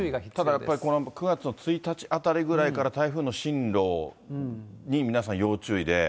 ただやっぱり９月の１日あたりから台風の進路に皆さん要注意で。